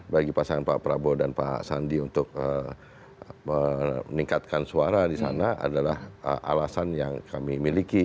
bagi pasangan pak prabowo dan pak sandi untuk meningkatkan suara di sana adalah alasan yang kami miliki